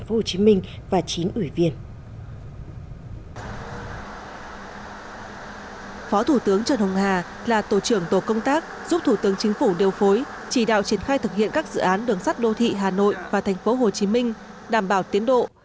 phó thủ tướng trần hùng hà là tổ trưởng tổ công tác giúp thủ tướng chính phủ điều phối chỉ đạo triển khai thực hiện các dự án đường sắt đô thị hà nội và tp hcm đảm bảo tiến độ